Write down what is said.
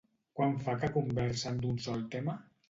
Quant fa que conversen d'un sol tema?